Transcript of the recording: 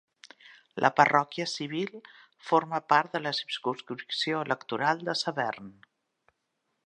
La parròquia civil forma part de la circumscripció electoral de "Severn".